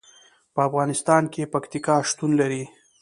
په افغانستان کې پکتیکا شتون لري.